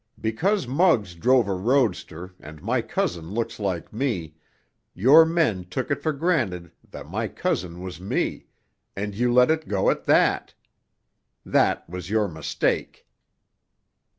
Because Muggs drove a roadster and my cousin looks like me, your men took it for granted that my cousin was me, and you let it go at that. That was your mistake.